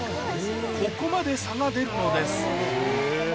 ここまで差が出るのです